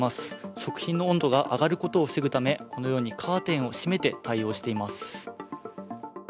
食品の温度が上がることを防ぐため、このようにカーテンを閉めて対応しています。